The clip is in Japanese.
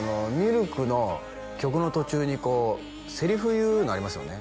ＬＫの曲の途中にこうセリフ言うのありますよね？